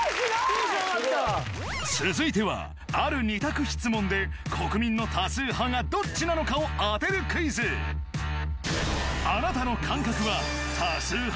続いてはある２択質問で国民の多数派がどっちなのかを当てるクイズあなたの感覚は多数派？